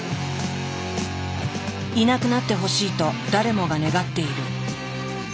いなくなってほしいと誰もが願っている。